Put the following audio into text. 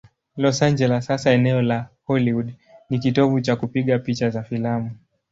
Los Angeles, hasa eneo la Hollywood, ni kitovu cha kupiga picha za filamu.